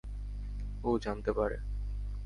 ও জানতে পারে।